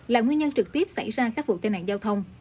là nguyên nhân trực tiếp xảy ra các vụ tai nạn giao thông